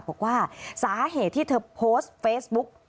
บอกว่าสาเหตุที่เธอโพสต์เฟซบุ๊ก